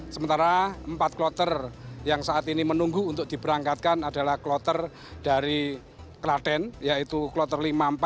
sementara empat kloter yang saat ini menunggu untuk diberangkatkan adalah kloter dari klaten yaitu kloter lima puluh empat lima puluh tiga lima puluh lima lima puluh enam